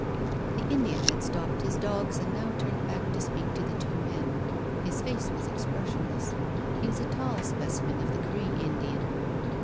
The Indian had stopped his dogs and now turned back to speak to the two men. His face was expressionless. He was a tall specimen of the Cree Indian.